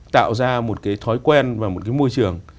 tạo ra một cái thói quen và một cái môi trường